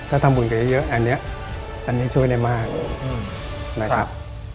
ถ้าทำบุญกันเยอะอันนี้อันนี้ช่วยได้มากนะครับ